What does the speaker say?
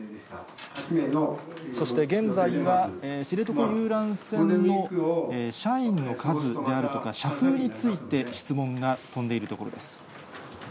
そして現在は知床遊覧船の社員の数であるとか、社風について質問が飛んでいるところです。